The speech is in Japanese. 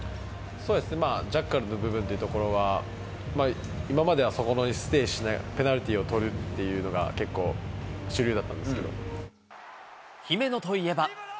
そうですね、まあ、ジャッカルの部分っていうところは、今まではそこのペナルティーを取るっていうのが、結構、主流だっ姫野といえば。